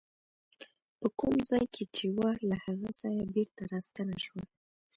په کوم ځای کې چې وه له هغه ځایه بېرته راستنه شوه.